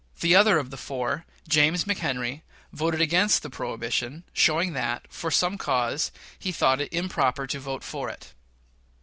The other of the four James McHenry voted against the prohibition, showing that, for some cause, he thought it improper to vote for it.